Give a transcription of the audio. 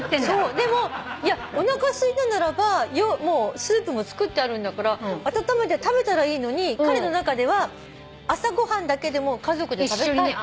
でもおなかすいたならばスープも作ってあるんだから温めて食べたらいいのに彼の中では朝ご飯だけでも家族で食べたいと。